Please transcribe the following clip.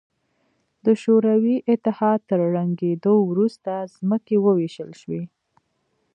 د شوروي اتحاد تر ړنګېدو وروسته ځمکې ووېشل شوې.